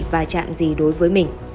và chạm gì đối với mình